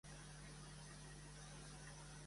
L'actual titular és Álvaro Nadal Belda.